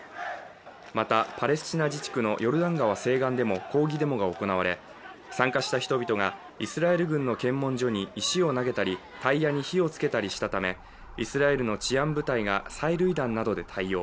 また、パレスチナ自治区のヨルダン川西岸でも抗議デモが行われ参加した人々がイスラエル軍の検問所に石を投げたりタイヤに火を付けたりしたためイスラエルの治安部隊が催涙弾などで対応。